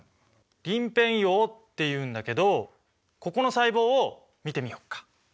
鱗片葉っていうんだけどここの細胞を見てみようか。